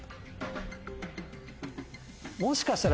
もしかしたら。